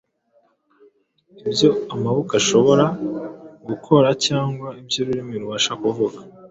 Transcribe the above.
Ibyo amaboko ashobora gukora cyangwa ibyo ururimi rubasha kuvuga